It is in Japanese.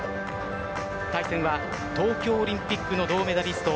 対戦は東京オリンピックなどメダリスト